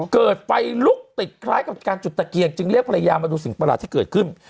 เกิดไฟลุกติดคล้ายกับการจุดตะเกียงจึงเรียกภรรยามาดูสิ่งประหลาดที่เกิดขึ้น